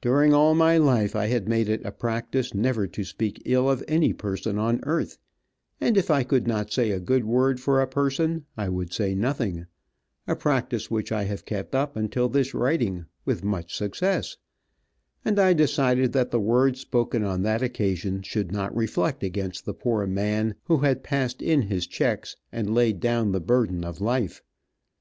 During all my life I had made it a practice never to speak ill of any person on earth, and if I could not say a good word for a person I would say nothing, a practice which I have kept up until this writing, with much success, and I decided that the words spoken on that occasion should not reflect against the poor man who had passed in his checks, and laid down the burden of life.